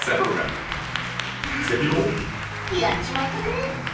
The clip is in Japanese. やっちまったね！